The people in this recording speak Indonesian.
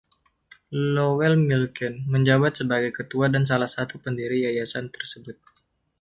Lowell Milken menjabat sebagai ketua dan salah satu pendiri yayasan tersebut.